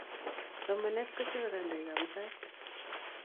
Somanet ko chopei kandoikap mutai